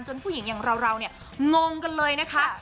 ผู้หญิงอย่างเราเนี่ยงงกันเลยนะคะ